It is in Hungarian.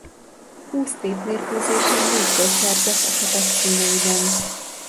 Húsz tétmérkőzésen négy gólt szerzett a csapat színeiben.